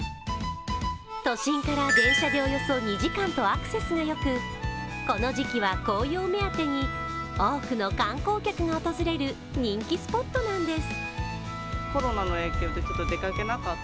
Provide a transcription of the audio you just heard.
都心から電車でおよそ２時間とアクセスがよく、この時期は紅葉目当てに多くの観光客が訪れる人気スポットなんです。